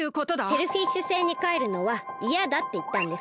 シェルフィッシュ星にかえるのはいやだっていったんです。